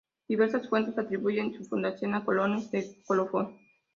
Diversas fuentes atribuyen su fundación a colonos de Colofón.